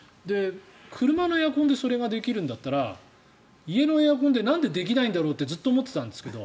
車のエアコンでそれができるんだったら家のエアコンでなんでできないんだろうってずっと思ってたんですけど。